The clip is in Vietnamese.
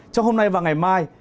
trong hôm nay và ngày mai